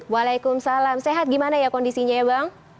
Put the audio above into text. waalaikumsalam sehat gimana ya kondisinya ya bang